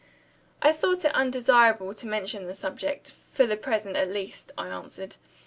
"I thought it undesirable to mention the subject for the present, at least," I answered.